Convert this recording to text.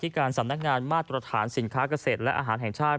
การสำนักงานมาตรฐานสินค้าเกษตรและอาหารแห่งชาติ